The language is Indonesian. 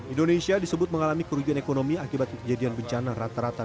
indonesia disebut mengalami kerugian ekonomi akibat kejadian bencana rata rata